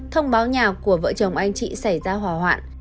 thông báo nhà của vợ chồng anh chị xảy ra hỏa hoạn